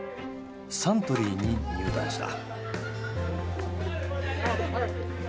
サントリーに入団した。